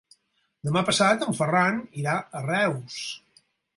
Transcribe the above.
Demà passat en Ferran irà a Reus.